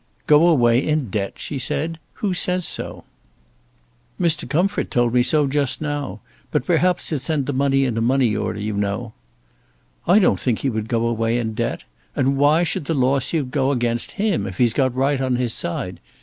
"Go away in debt!" she said; "who says so?" "Mr. Comfort told me so just now. But perhaps he'll send the money in a money order, you know." "I don't think he would go away in debt. And why should the lawsuit go against him if he's got right on his side?